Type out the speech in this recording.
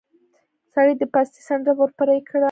سړي د پاستي څنډه ور پرې کړه.